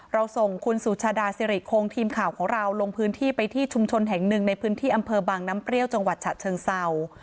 เราส่งคุณสุชาดาสิริคงทีมข่าวของเราลงพื้นที่ไปที่ชุมชนแห่งหนึ่งในพื้นที่อำเภอบางน้ำเปรี้ยวจังหวัดฉะเชิงเศร้า